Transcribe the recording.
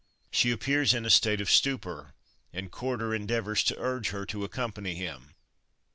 She appears in a state of stupor and Corder endeavours to urge her to accompany him.